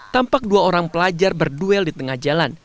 tampak dua orang pelajar berduel di tengah jalan